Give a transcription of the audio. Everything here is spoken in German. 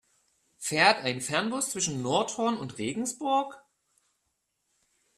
Fährt ein Fernbus zwischen Nordhorn und Regensburg?